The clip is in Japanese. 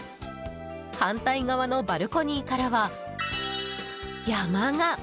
反対側のバルコニーからは、山が。